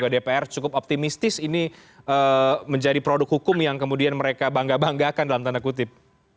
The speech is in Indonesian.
dpr cukup optimistis ini menjadi produk hukum yang kemudian mereka bangga banggakan dalam tanda kutip